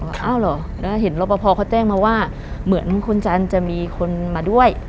อ้าวเหรอแล้วเห็นรอปภเขาแจ้งมาว่าเหมือนคุณจันทร์จะมีคนมาด้วย